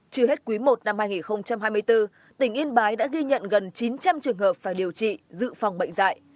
trừ hết quý i năm hai nghìn hai mươi bốn tỉnh yên bái đã ghi nhận gần chín trăm linh trường hợp phải điều trị dự phòng bệnh dạy